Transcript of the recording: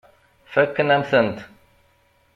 Fakken-am-tent.